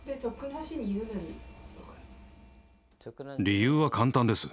理由は簡単です。